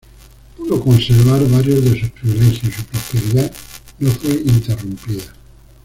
Pudo conservar varios de sus privilegios y su prosperidad no fue interrumpida.